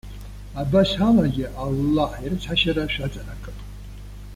Абас алагьы, Аллаҳ ирыцҳашьара шәаҵанакып.